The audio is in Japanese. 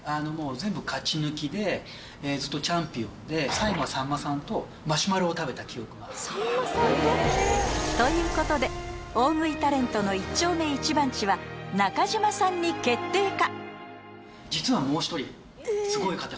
最後はさんまさんとマシュマロを食べた記憶がということで大食いタレントの一丁目一番地は中嶋さんに決定か？